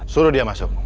suruh dia masuk